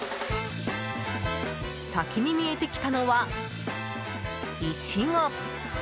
先に見えてきたのはイチゴ。